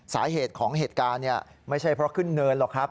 สาเหตุของเหตุการณ์ไม่ใช่เพราะขึ้นเนินหรอกครับ